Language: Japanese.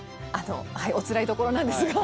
おつらいところなんですが。